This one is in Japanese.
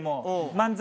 漫才？